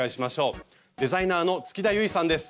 デザイナーの月田ゆいさんです。